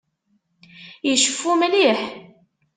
Iceffu mliḥ.